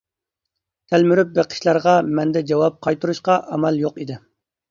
تەلمۈرۈپ بېقىشلارغا مەندە جاۋاب قايتۇرۇشقا ئامال يوق ئىدى.